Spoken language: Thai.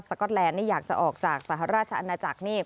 ก็อตแลนดนี่อยากจะออกจากสหราชอาณาจักรนี่